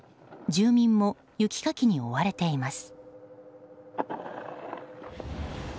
住民も雪かきに追われています。